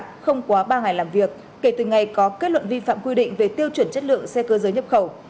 cục đăng kiểm việt nam đã có ba ngày làm việc kể từ ngày có kết luận vi phạm quy định về tiêu chuẩn chất lượng xe cơ giới nhập khẩu